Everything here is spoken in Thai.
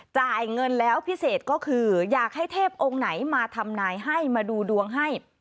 จ่ายเงินแล้วพิเศษก็คืออยากให้เทพองค์ไหนมาทำนายให้มาดูดวงให้